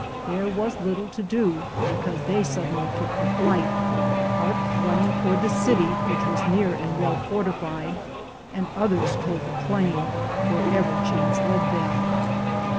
There was little to do, because they suddenly took to flight, part running toward the city, which was near and well fortified, and others toward the plain, wherever chance led them.